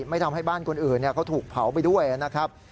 ไม่ทำให้บ้านคนอื่นเขาถูกเผาไปด้วยนะครับ